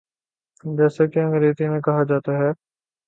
جیسا کہ انگریزی میں کہا جاتا ہے۔